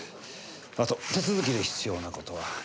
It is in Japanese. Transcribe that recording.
あと手続きに必要な事は。